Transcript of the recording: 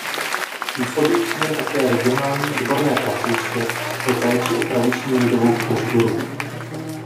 Působí při něm také Regionální odborné pracoviště pro péči o tradiční lidovou kulturu.